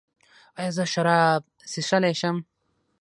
ایا زه شراب څښلی شم؟